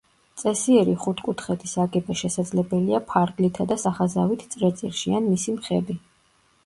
წესიერი ხუთკუთხედის აგება შესაძლებელია ფარგლითა და სახაზავით წრეწირში ან მისი მხები.